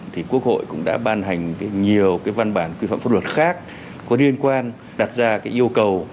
thì quốc hội cũng đã ban hành nhiều cái văn bản quy phạm pháp luật khác có liên quan đặt ra cái yêu cầu